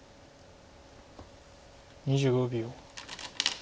２５秒。